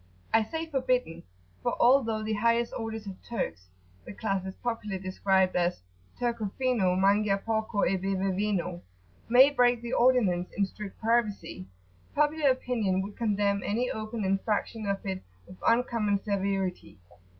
I say forbidden, for although the highest orders of Turks, the class is popularly described as "Turco fino Mangia porco e beve vino." may break the ordinance in strict privacy, popular opinion would condemn any open infraction of it with uncommon severity.